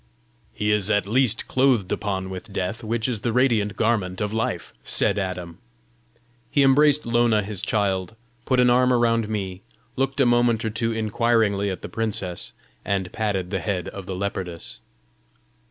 "He is at least clothed upon with Death, which is the radiant garment of Life," said Adam. He embraced Lona his child, put an arm around me, looked a moment or two inquiringly at the princess, and patted the head of the leopardess.